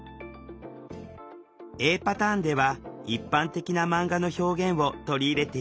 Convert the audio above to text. Ａパターンでは一般的なマンガの表現を取り入れているわ。